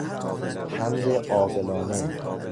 پند عاقلانه